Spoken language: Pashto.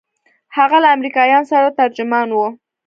هغه له امريکايانو سره ترجمان و.